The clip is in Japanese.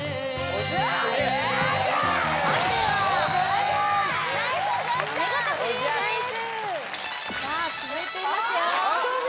ＯＫさあ続いていますよ